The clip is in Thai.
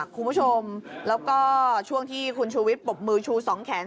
คุณผู้ชมแล้วก็ช่วงที่คุณชูวิทย์ปบมือชู๒แขน